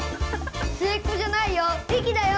末っ子じゃないよ理輝だよ。